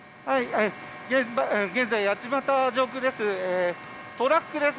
現在、八街市上空です。